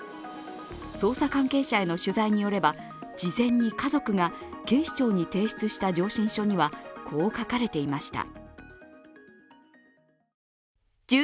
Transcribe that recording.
捜査関係者への取材によれば事前に家族が警視庁に提出した上申書にはこう書かれていました。